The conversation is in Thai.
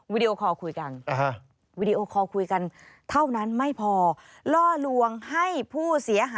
วิดิโอคอลอีก